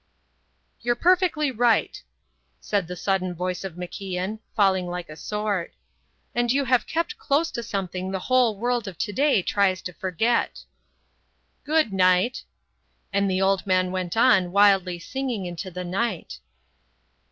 "You're perfectly right," said the sudden voice of MacIan, falling like a sword. "And you have kept close to something the whole world of today tries to forget." "Good night." And the old man went on wildly singing into the night.